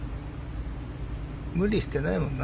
無理してないもんな。